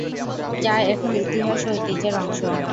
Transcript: যা এখন ইতিহাস ও ঐতিহ্যের অংশ।